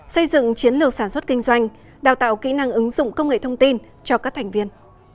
xây dựng chiến lược sản xuất kinh doanh đào tạo kỹ năng ứng dụng công nghệ thông tin cho các thành viên